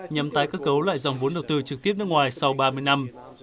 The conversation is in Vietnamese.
nhằm tái cơ cấu lại dòng vốn đầu tư trực tiếp nước ngoài sau ba mươi năm